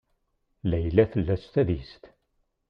Layla tella s tadist.